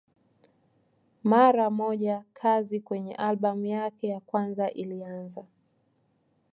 Mara moja kazi kwenye albamu yake ya kwanza ilianza.